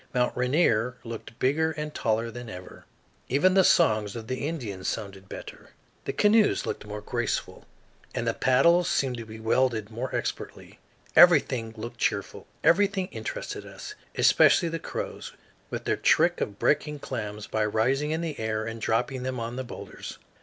Mt. Rainier looked bigger and taller than ever. Even the songs of the Indians sounded better; the canoes looked more graceful, and the paddles seemed to be wielded more expertly. Everything looked cheerful; everything interested us, especially the crows, with their trick of breaking clams by rising in the air and dropping them on the boulders.